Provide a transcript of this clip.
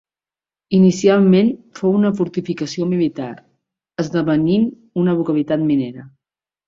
Inicialment fou una fortificació militar, esdevenint una localitat minera.